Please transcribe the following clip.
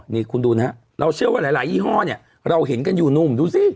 นี่คุณดูนะฮะเราเชื่อว่าหลายยี่ห้อนี่เราเห็นกันดูซิ